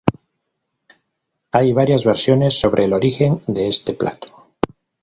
Hay varias versiones sobre el origen de este plato.